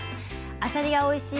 あさりがおいしい